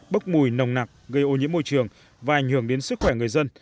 bốc mùi nồng nặc gây ô nhiễm môi trường và ảnh hưởng đến sức khỏe người dân